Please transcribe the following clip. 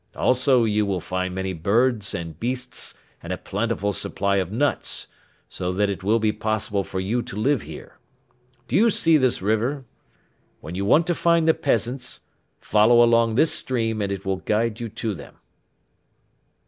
Also you will find many birds and beasts and a plentiful supply of nuts, so that it will be possible for you to live here. Do you see this river? When you want to find the peasants, follow along this stream and it will guide you to them."